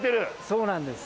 そうなんです。